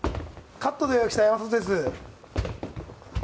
カットで予約した山里です。